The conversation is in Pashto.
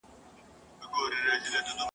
چي ناکس ته یې سپارلې سرداري وي !.